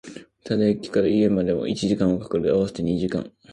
ただ、駅から家までも一時間は掛かる、合わせて二時間